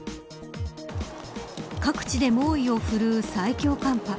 各地で猛威を振るう最強寒波。